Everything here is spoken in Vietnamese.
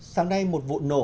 sáng nay một vụ nổ đã xảy ra